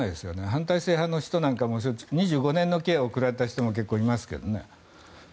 反体制派の人は２５年の刑を食らった人も結構いますけどね。